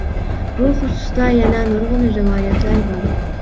بۇ خۇسۇستا يەنە نۇرغۇن رىۋايەتلەر بار.